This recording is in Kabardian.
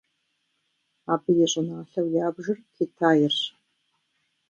Абы и щӏыналъэу ябжыр Китайрщ.